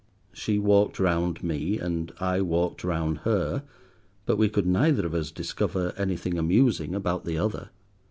She walked round me, and I walked round her, but we could neither of us discover anything amusing about the other.